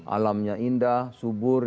alamnya indah subur